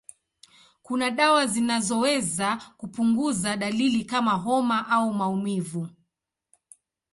Kuna dawa zinazoweza kupunguza dalili kama homa au maumivu.